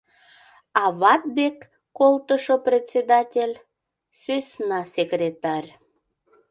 «Ават дек» колтышо — председатель, сӧсна — секретарь